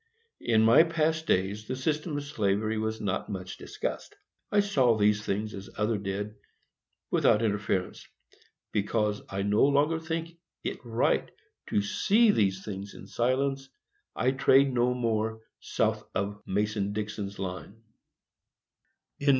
In my past days the system of slavery was not much discussed. I saw these things as others did, without interference. Because I no longer think it right to see these things in silence, I trade no more south of Mason & Dixon's line.